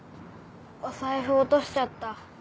お財布落としちゃった。